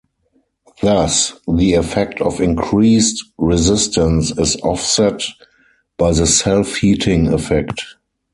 Thus, the effect of increased resistance is offset by the self-heating effect.